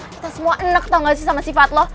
kita semua enek tau gak sih sama sifat lo